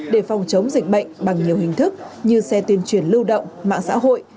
để phòng chống dịch bệnh bằng nhiều hình thức như xe tuyên truyền lưu động mạng xã hội